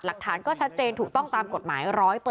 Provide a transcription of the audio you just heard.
หลักฐานก็ชัดเจนถูกต้องตามกฎหมาย๑๐๐